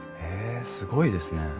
へえすごいですね。